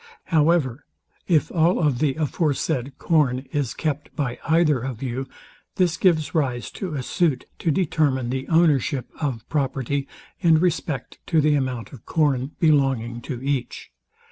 However, if all of the aforesaid corn is kept by either of you, this gives rise to a suit to determine the ownership of property, in respect of the amount of corn belonging to each.